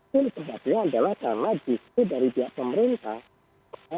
jadi kebetulan adalah karena disitu dari pihak pemerintah